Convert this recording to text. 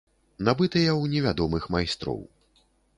Набытыя ў невядомых майстроў.